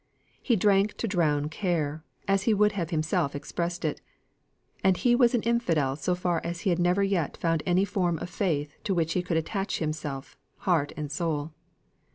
He drank to drown care, as he would have himself expressed it: and he was infidel so far as he had never yet found any form of faith to which he could attach himself, heart and soul.